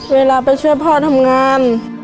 เวลาไปช่วยพ่อทำงาน